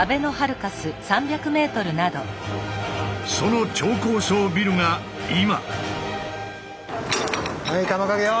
その超高層ビルが今。